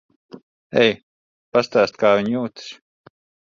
Ej. Pastāstīsi, kā viņa jūtas.